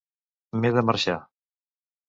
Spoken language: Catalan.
M'he de marxar.